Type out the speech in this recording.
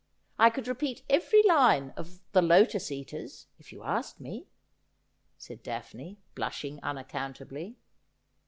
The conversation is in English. I could repeat every line of " The Lotos Eaters," if you asked me,' said Daphne, blushing unaccountably.